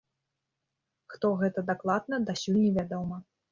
Хто гэта дакладна, дасюль невядома.